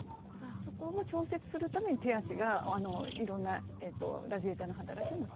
そこを調節するために手足がいろんなラジエーターの働きもしているので。